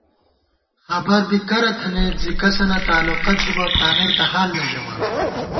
خبر بی کرہ تھنَئیت زی کسَنہ تالُوقہ تھِبہ، تانئ تہ حال نہ ژَمان